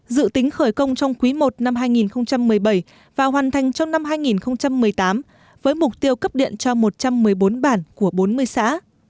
dự tính khởi công trong quý i năm hai nghìn một mươi bảy và hoàn thành trong năm hai nghìn một mươi tám với mục tiêu cấp điện cho một trăm một mươi bốn bản của bốn mươi xã